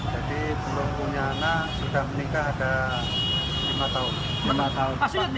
jadi pelukunya anak sudah menikah ada lima tahun